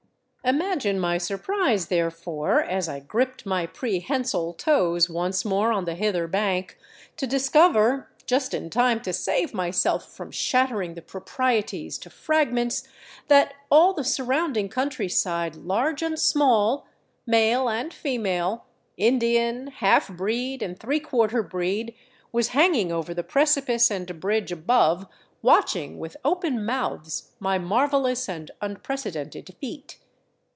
Imagine my surprise, therefore, as I gripped my prehensile toes once more on the hither bank, to discover, just in time to save myself from shattering the proprieties to fragments, that all the surrounding countryside, large and small, male and female, Indian, half breed and ^ breed, was hanging over the precipice and bridge above, watch ing with open mouths my marvelous and unprecedented feat.